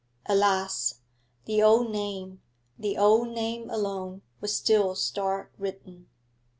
Alas! the old name, the old name alone, was still star written....